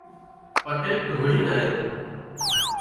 پٽيل ڌوڙينَ آيو